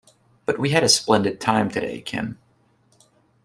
But we had a splendid time today, Kim.